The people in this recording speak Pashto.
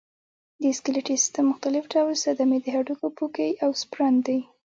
د سکلیټي سیستم مختلف ډول صدمې د هډوکو پوکی او سپرن دی.